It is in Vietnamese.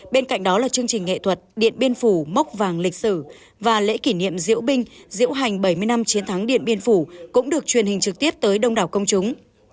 bên cạnh đó là chương trình nghệ thuật điện biên phủ mốc vàng lịch sử và lễ kỷ niệm diễu binh diễu hành bảy mươi năm chiến thắng điện biên phủ cũng được truyền hình trực tiếp tới đông đảo công chúng